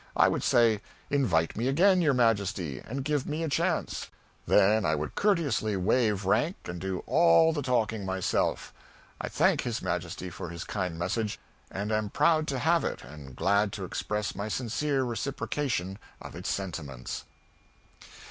I would say, "Invite me again, your Majesty, and give me a chance"; then I would courteously waive rank and do all the talking myself. I thank his Majesty for his kind message, and am proud to have it and glad to express my sincere reciprocation of its sentiments.